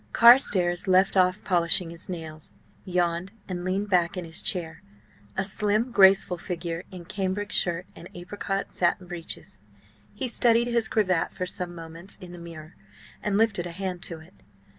Carstares left off polishing his nails, yawned, and leaned back in his chair, a slim, graceful figure in cambric shirt and apricot satin breeches. He studied his cravat for some moments in the mirror, and lifted a hand to it.